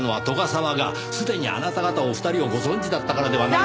沢がすでにあなた方お二人をご存じだったからではないかと。